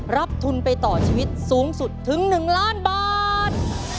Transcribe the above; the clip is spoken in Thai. รับทุนไปต่อชีวิตสูงสุดถึง๑ล้านบาท